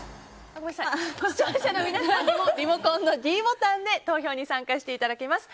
視聴者の皆さんにもリモコンのｄボタンで投票に参加していただきます。